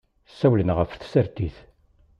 Ssawlen ɣef tsertit.